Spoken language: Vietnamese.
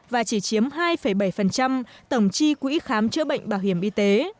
và chỉ chiếm hai bảy tổng chi quỹ khám chữa bệnh bảo hiểm y tế